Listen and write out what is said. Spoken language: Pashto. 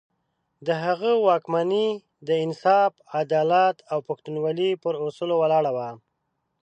د هغه واکمني د انصاف، عدالت او پښتونولي پر اصولو ولاړه وه.